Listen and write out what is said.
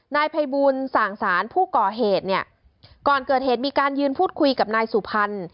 นายภัยบูลสั่งสารผู้ก่อเหตุเนี่ยก่อนเกิดเหตุมีการยืนพูดคุยกับนายสุพรรณ